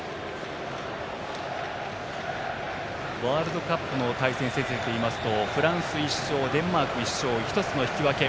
ワールドカップの対戦成績でいいますとフランス１勝、デンマーク１勝１つの引き分け。